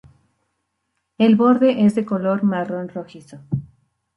El borde es de color marrón rojizo.